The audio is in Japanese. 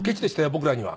僕らには。